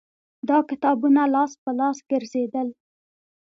دا کتابونه لاس په لاس ګرځېدل